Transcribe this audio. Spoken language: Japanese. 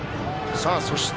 そして、